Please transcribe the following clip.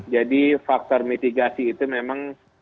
jadi faktor mitigasi itu memang